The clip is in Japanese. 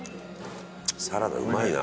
サラダうまいな。